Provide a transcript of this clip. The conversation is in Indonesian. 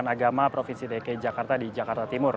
agama provinsi dki jakarta di jakarta timur